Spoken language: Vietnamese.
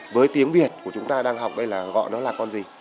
với tiếng việt của chúng ta đang học đây là gọi đó là con gì